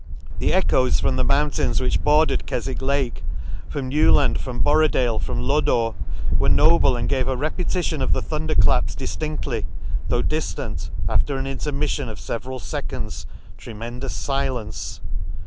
—The echoes from the mountains which bordered Kefwick Lake, from Newland, from Borodale, from Lodore, were noble, and gave a repetition of the thunder claps diftindtly, though diftant, after an intermiflion of feveral feconds tremendous filence.